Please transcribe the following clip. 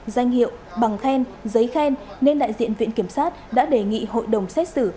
danh hiệu bằng khen giấy khen nên đại diện viện kiểm sát đã đề nghị hội đồng xét xử